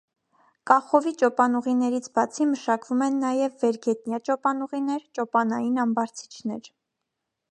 Կախովի ճոպանուղիներից բացի մշակվում են նաև վերգետնյա ճոպանուղիներ՝ ճոպանային ամբարձիչներ։